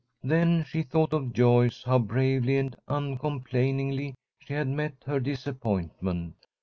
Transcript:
Then she thought of Joyce, how bravely and uncomplainingly she had met her disappointment.